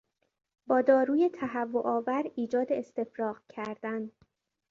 با داروی تهوع آور ایجاد استفراغ کردن